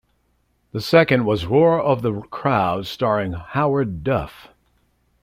The second was Roar of the Crowd, starring Howard Duff.